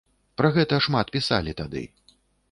Пра гэта шмат пісалі тады.